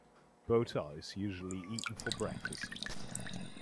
Bota is usually eaten for breakfast.